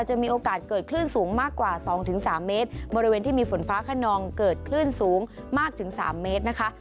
จะมีโอกาสเกิดคลื่นสูงมากกว่า๒๓เมตรบริเวณที่มีฝนฟ้าขนองเกิดคลื่นสูงมากถึงสามเมตรนะคะ